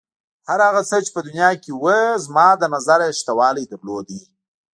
هر هغه څه چې په دنیا کې و زما له نظره یې شتوالی درلود.